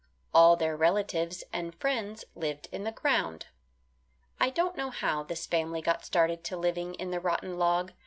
All their relatives and friends lived in the ground. I don't know how this family got started to living in the rotten log.